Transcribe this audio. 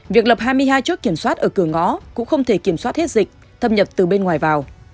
việc lập hai mươi hai chốt kiểm soát ở cửa ngõ cũng không thể kiểm soát hết dịch thâm nhập từ bên ngoài vào